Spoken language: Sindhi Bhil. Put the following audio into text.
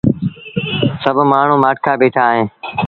سڀ مآڻهوٚٚݩ مآٺڪآ بيٚٺآ اهيݩ